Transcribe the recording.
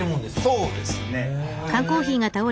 そうですね。